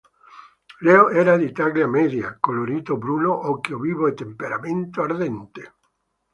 Leo era di taglia media, colorito bruno, occhio vivo e temperamento ardente.